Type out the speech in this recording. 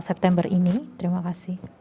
september ini terima kasih